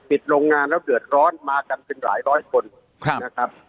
โรงงานแล้วเดือดร้อนมากันเป็นหลายร้อยคนนะครับ